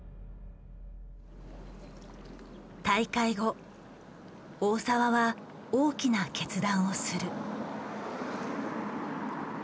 大会後大澤は大きな決断をする。